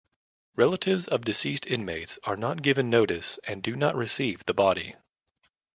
Relatives of deceased inmates are not given notice and do not receive the body.